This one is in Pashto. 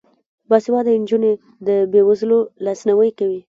باسواده نجونې د بې وزلو لاسنیوی کوي.